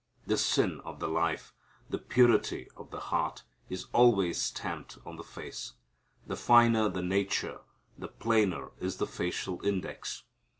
The sin of the life, the purity of the heart, is always stamped on the face. The finer the nature the plainer is the facial index.